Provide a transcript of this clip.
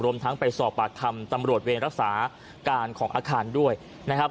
ทั้งไปสอบปากคำตำรวจเวรรักษาการของอาคารด้วยนะครับ